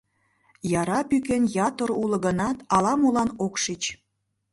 Яра пӱкен ятыр уло гынат, ала-молан ок шич.